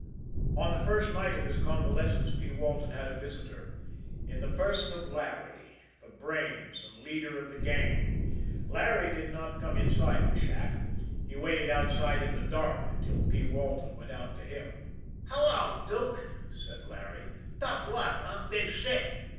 On the first night of his convalescence, P. Walton had a visitor in the person of Larry, the brains and leader of the gang. Larry did not come inside the shack he waited outside in the dark until P. Walton went out to him. "Hullo, Dook!" said Larry. "Tough luck, eh? Been sick?